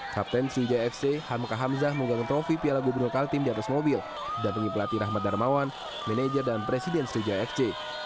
kapten sriwijaya fc hamka hamzah menggagang trofi piala gubernur kaltim di atas mobil dampingi pelatih rahmat darmawan manajer dan presiden sriwijaya fc